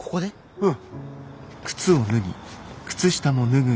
うん。